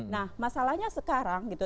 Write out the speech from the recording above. nah masalahnya sekarang gitu